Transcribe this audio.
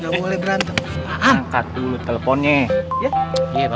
gak boleh berantem angkat dulu teleponnya